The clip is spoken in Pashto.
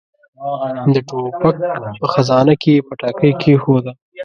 د ټوپک په خزانه کې يې پټاکۍ کېښوده.